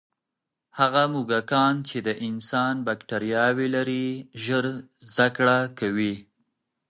هغه موږکان چې د انسان باکټرياوې لري، ژر زده کړه کوي.